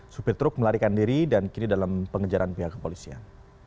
supir truk melarikan diri dan kini dalam pengejaran pihak kepolisian